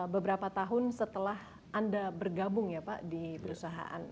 beberapa tahun setelah anda bergabung ya pak di perusahaan